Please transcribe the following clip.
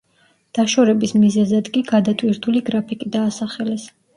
დაშორების მიზეზად კი გადატვირთული გრაფიკი დაასახელეს.